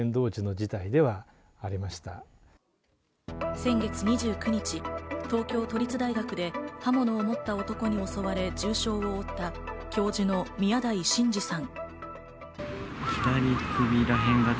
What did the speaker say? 先月２９日、東京都立大学で刃物を持った男に襲われ重傷を負った教授の宮台真司さん。